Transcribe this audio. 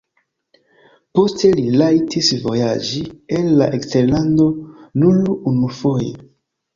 Poste li rajtis vojaĝi al eksterlando nur unufoje.